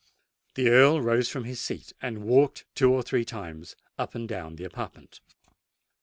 The Earl rose from his seat, and walked two or three times up and down the apartment.